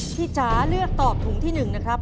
จ๋าเลือกตอบถุงที่๑นะครับ